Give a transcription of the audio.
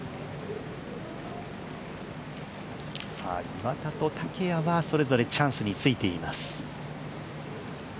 岩田と竹谷はそれぞれチャンスについています。